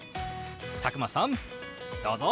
佐久間さんどうぞ！